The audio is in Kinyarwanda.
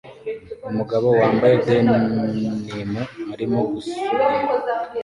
Umugabo wambaye denim arimo gusudira